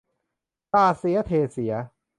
สาดเสียเทเสีย